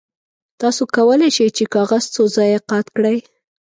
تاسو کولی شئ چې کاغذ څو ځایه قات کړئ.